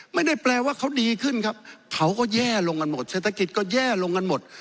ไม่ได้แปลว่าเขาดีขึ้นครับเขาก็แย่ลงกันหมดเศรษฐกิจก็แย่ลงกันหมด